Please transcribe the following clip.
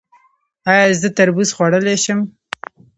ایا زه تربوز خوړلی شم؟